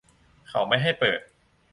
เขาไม่ให้เปิด